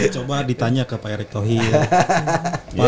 coba ditanya ke pak erick thohir